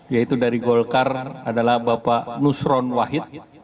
yaitu dari golkar adalah bapak nusron wahid